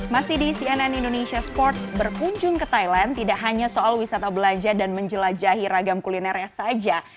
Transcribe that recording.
masih di cnn indonesia sports berkunjung ke thailand tidak hanya soal wisata belanja dan menjelajahi ragam kulinernya saja